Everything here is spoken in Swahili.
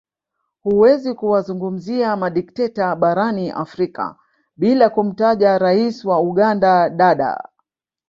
Huwezi kuwazungumzia madikteta barani afrika bila kumtaja Rais wa Uganda Dada